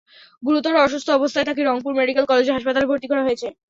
গুরুতর অসুস্থ অবস্থায় তাঁকে রংপুর মেডিকেল কলেজ হাসপাতালে ভর্তি করা হয়েছে।